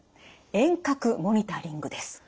遠隔モニタリングです。